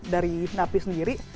dari nafi sendiri